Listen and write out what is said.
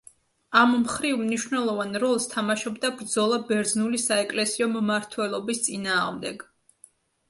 ამ მხრივ მნიშვნელოვან როლს თამაშობდა ბრძოლა ბერძნული საეკლესიო მმართველობის წინააღმდეგ.